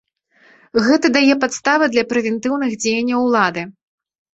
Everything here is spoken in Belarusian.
Гэта дае падставы для прэвентыўных дзеянняў улады.